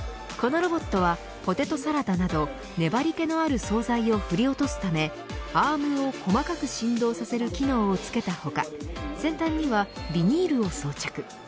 このロボットはポテトサラダなど粘り気のある総菜を振り落とすためアームを細かく振動させる機能を付けた他先端にはビニールを装着。